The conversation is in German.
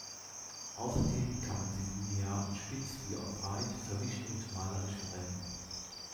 Außerdem kann man sie linear und spitz, wie auch breit, verwischt und malerisch verwenden.